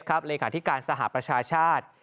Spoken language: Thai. เหลืออาธิการสหประชาชาชน์